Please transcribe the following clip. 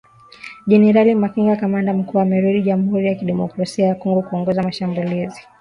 Jenerali Makenga kamanda mkuu amerudi jamhuri ya kidemokrasia ya Kongo kuongoza mashambulizi